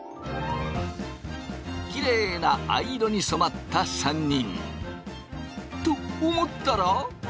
きれいな藍色に染まった３人。と思ったら？